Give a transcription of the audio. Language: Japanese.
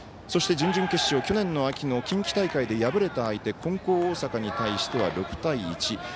そして、準々決勝去年の秋の近畿大会で敗れた相手、金光大阪に対しては６対１。